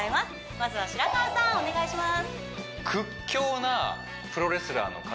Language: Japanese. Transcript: まずは白川さんお願いします